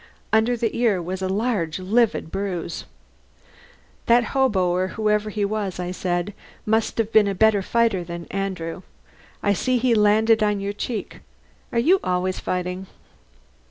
Under the ear was a large livid bruise. "That hobo, or whoever he was," I said, "must have been a better fighter than Andrew. I see he landed on your cheek. Are you always fighting?"